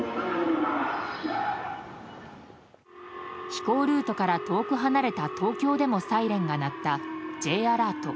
飛行ルートから遠く離れた東京でもサイレンが鳴ったＪアラート